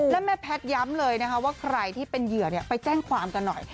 แล้วแม่แพทย้ำเลยนะคะว่าใครที่เป็นเหยื่อไปแจ้งความกันหน่อย